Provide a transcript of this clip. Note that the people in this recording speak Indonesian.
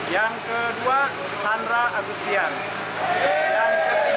yang kedua sandra agustian